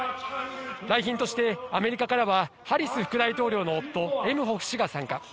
来賓としてアメリカからはハリス副大統領の夫・エムホフ氏が参加。